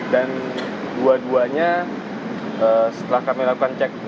dan dua duanya setelah kami lakukan penyelidikan